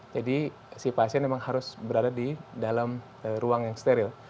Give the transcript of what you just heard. jadi si pasien memang harus berada di dalam ruang yang steril